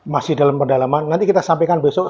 masih dalam pendalaman nanti kita sampaikan besok